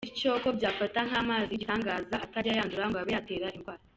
Bityo ko bayafata nk’amazi y’igitangaza atajya yandura, ngo abe yatera indwara.